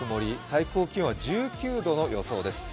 最高気温は１９度の予想です。